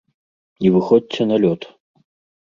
Не выходзьце на лёд!